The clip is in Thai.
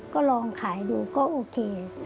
ก็ลองขายดูก็โอเค